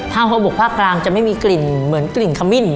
ผ้าหอมบุกผ้ากลางจะไม่มีกลิ่นเหมือนกลิ่นขมิ้น